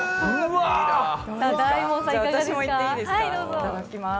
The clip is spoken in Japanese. いただきます。